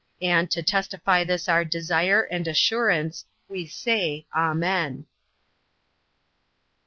And, to testify this our desire and assurance, we say, Amen.